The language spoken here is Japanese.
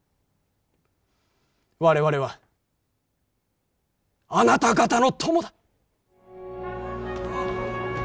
我々はあなた方の友だ。